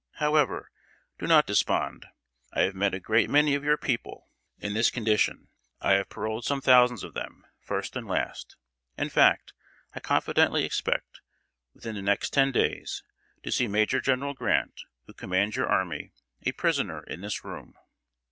However, do not despond; I have met a great many of your people in this condition; I have paroled some thousands of them, first and last. In fact, I confidently expect, within the next ten days, to see Major General Grant, who commands your army, a prisoner in this room."